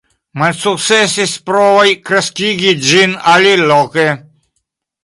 Malsukcesis provoj kreskigi ĝin aliloke.